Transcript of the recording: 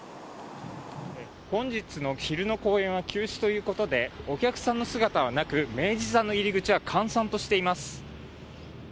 本日の昼の公演は休止ということでお客さんの姿はなく明治座の入り口は閑散としています。